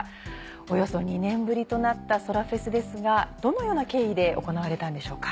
およそ２年ぶりとなったそらフェスですがどのような経緯で行われたんでしょうか？